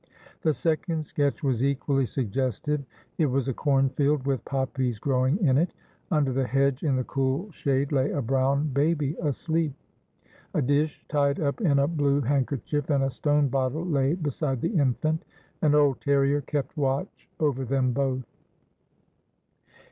The second sketch was equally suggestive; it was a cornfield with poppies growing in it; under the hedge in the cool shade lay a brown baby asleep. A dish tied up in a blue handkerchief and a stone bottle lay beside the infant; an old terrier kept watch over them both.